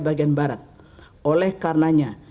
bagian barat oleh karenanya